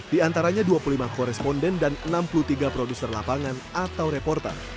di antaranya dua puluh lima koresponden dan enam puluh tiga produser lapangan atau reporter